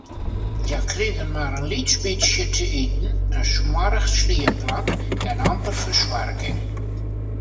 Hja krigen mar in lyts bytsje te iten, in smoarch sliepplak en amper fersoarging.